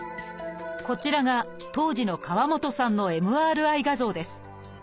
こちらが当時の河本さんのＭＲＩ画像です。